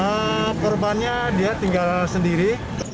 nah korbannya dia tinggal sendiri